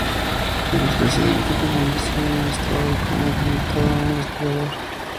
El expresidente permaneció en estado de coma y conectado a un respirador.